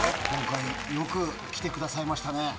今回、よく来てくださいましたね。